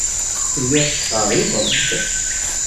Telliḍ tettqerribeḍ-d.